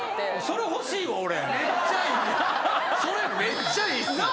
それ欲しいよな。